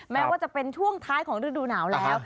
แม้ว่าจะเป็นช่วงท้ายของฤดูหนาวแล้ว